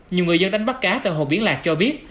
nhiều người dân đánh bắt cá tại hồ biển lạc cho biết